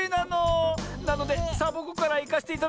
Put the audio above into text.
なのでサボ子からいかせていただくわ。